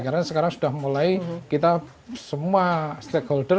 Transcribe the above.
karena sekarang sudah mulai kita semua stakeholder